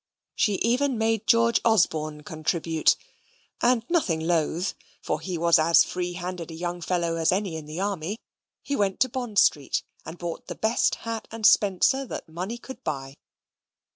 She even made George Osborne contribute, and nothing loth (for he was as free handed a young fellow as any in the army), he went to Bond Street, and bought the best hat and spenser that money could buy.